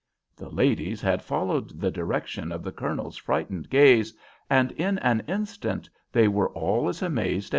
The ladies had followed the direction of the Colonel's frightened gaze, and in an instant they were all as amazed as he.